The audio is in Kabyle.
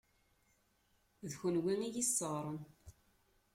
D kunwi i y-isseɣren.